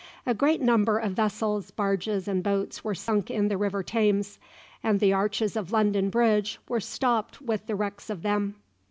A great number of vessels, barges, and boats were sunk in the river Thames, and the arches of London Bridge were stopped with the wrecks of them.